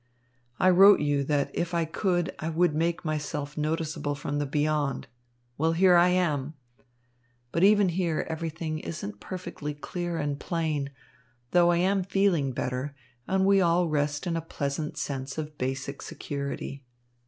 I wrote you that if I could, I would make myself noticeable from the Beyond. Well, here I am. But even here everything isn't perfectly clear and plain, though I am feeling better, and we all rest in a pleasant sense of basic security.